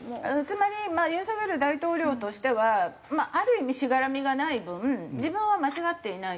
つまりまあ尹錫悦大統領としてはある意味しがらみがない分自分は間違っていないと。